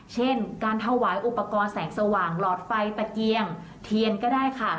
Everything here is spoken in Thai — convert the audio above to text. เช่นการถวายอุปกรณ์แสงสว่างหลอดไฟตะเกียงเทียนก็ได้ค่ะ